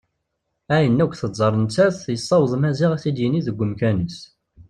Ayen akk teẓẓar nettat yessaweḍ Maziɣ ad t-id-yini deg umkan-is.